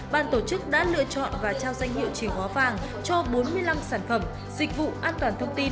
ban tổ chức đã lựa chọn và trao danh hiệu chìa khóa vàng cho bốn mươi năm sản phẩm dịch vụ an toàn thông tin